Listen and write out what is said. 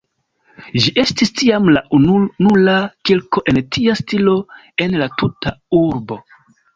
Ĝi estis tiam la ununura kirko en tia stilo en la tuta urbo.